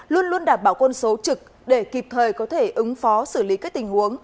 luôn luôn đảm bảo quân số trực để kịp thời có thể ứng phó xử lý các tình huống